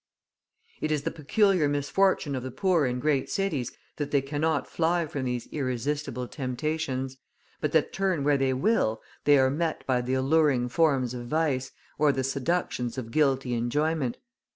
It is the peculiar misfortune of the poor in great cities that they cannot fly from these irresistible temptations, but that, turn where they will, they are met by the alluring forms of vice, or the seductions of guilty enjoyment.